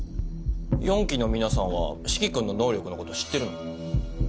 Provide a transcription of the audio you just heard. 四鬼の皆さんは四鬼君の能力のこと知ってるの？